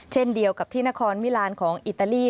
เช่นเดียวกับที่นครมิลานของอิตาลี